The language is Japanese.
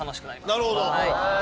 なるほど。